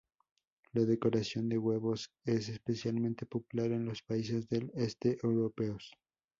La decoración de huevos es especialmente popular en los países del este europeos.